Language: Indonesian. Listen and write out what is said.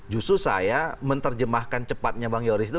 justru saya menerjemahkan cepatnya bang yoris itu